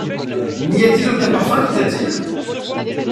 N’y a-t-il aucun parfum qui t’attire?